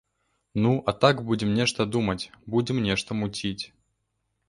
Ну, а так будзем нешта думаць, будзем нешта муціць.